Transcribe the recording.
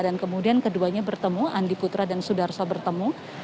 kemudian keduanya bertemu andi putra dan sudarso bertemu